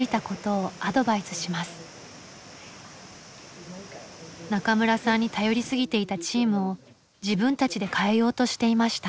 中村さんに頼りすぎていたチームを自分たちで変えようとしていました。